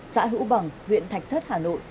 xã hữu bằng huyện thạch thất hà nội